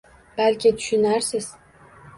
Balki tushunarsiz